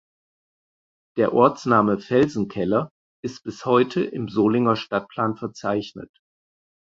Der Ortsname "Felsenkeller" ist bis heute im Solinger Stadtplan verzeichnet.